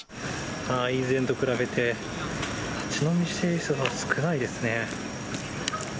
以前と比べて、立ち飲みしている人が少ないですね。